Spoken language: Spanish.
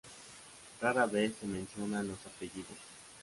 Rara vez se mencionan los apellidos.